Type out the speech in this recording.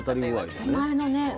手前のね。